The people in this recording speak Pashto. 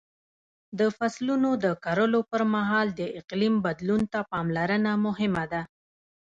د فصلونو د کرلو پر مهال د اقلیم بدلون ته پاملرنه مهمه ده.